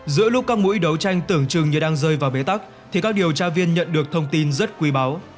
giữa lúc các mũi đấu tranh tưởng chừng như đang rơi vào bế tắc thì các điều tra viên nhận được thông tin rất quý báo